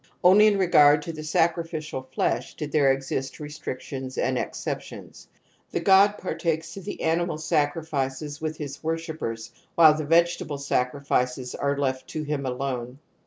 Only in regard to sacrificial flesh did there exist restrictions and exceptions. The god partakes of the animal sacrifices with his worshippers while the vegetable sacrifices are left to him alone.